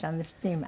今。